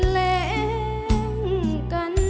เพลงที่สองเพลงมาครับ